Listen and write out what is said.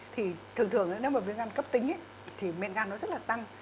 thì thường thường nếu mà viêm gan cấp tính thì men gan nó rất là tăng